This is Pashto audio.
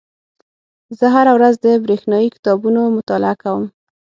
زه هره ورځ د بریښنایي کتابونو مطالعه کوم.